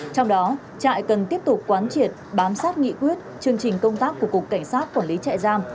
trong đó trại cần tiếp tục quán triệt bám sát nghị quyết chương trình công tác của cục cảnh sát quản lý trại giam